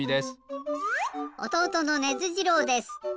おとうとのネズ次郎です。